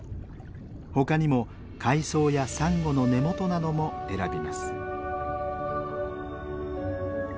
他にも海藻やサンゴの根元なども選びます。